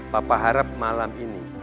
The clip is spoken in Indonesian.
papa harap malam ini